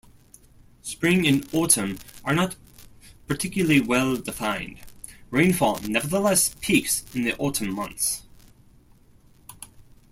Spring and autumn are not particularly well-defined; rainfall nevertheless peaks in the autumn months.